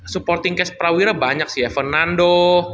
supporting cash prawira banyak sih ya fernando